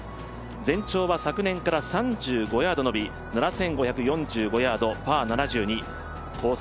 全長は昨年から３５ヤードのび、７５４５ヤード、パー７２。コース